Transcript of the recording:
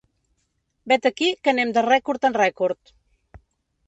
Vet aquí que anem de rècord en rècord.